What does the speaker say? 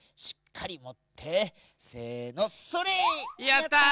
やった！